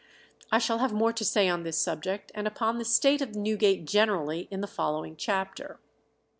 " I shall have more to say on this subject, and upon the state of Newgate generally, in the following chapter.